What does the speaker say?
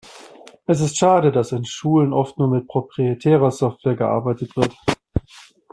Es ist schade, dass in Schulen oft nur mit proprietärer Software gearbeitet wird.